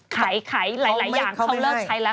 ขายหลายอย่างเขาเลิกใช้แล้ว